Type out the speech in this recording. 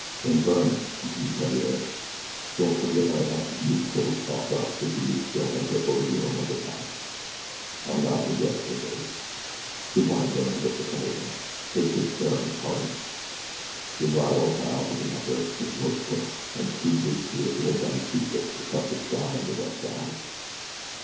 "And, Byrne," continued Theriere, "don't forget what I asked of you before we tossed up to see which should enter Oda Yorimoto's house." "I'll not ferget," said Billy. "Good bye, Byrne," whispered Theriere. "Take good care of Miss Harding." "Good bye, old pal," said the mucker. His voice broke, and two big tears rolled down the cheeks of "de toughest guy on de Wes' Side."